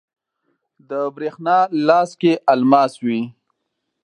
د بریښنا لاس کې الماس وی